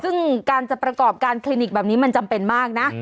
ซึ่งการจะประกอบการคลินิกแบบนี้มันจำเป็นมากนะ